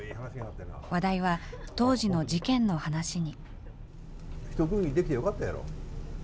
話題は当時の事件の話に。